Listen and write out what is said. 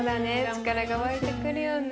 力が湧いてくるよね。